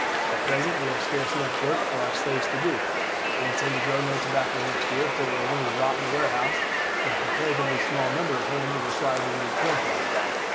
At present we have scarce enough work for our slaves to do. I intend to grow no tobacco next year, for it will only rot in the warehouse, and a comparatively small number of hands are required to raise corn crops.